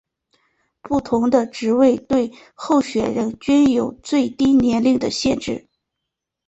不同的职位对候选人均有最低年龄的限制。